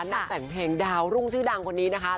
นักแต่งเพลงดาวรุ่งชื่อดังคนนี้นะคะ